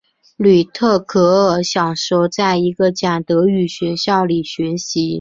吕特克尔小时候在一个讲德语学校里学习。